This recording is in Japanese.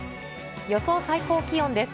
予想最高気温です。